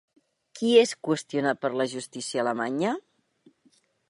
Qui és qüestionat per la justícia alemanya?